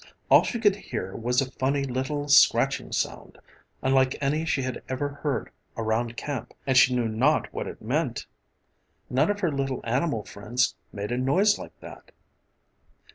All she could hear was a funny, little scratching sound, unlike any she had ever heard around camp, and she knew not what it meant. None of her little animal friends made a noise like that.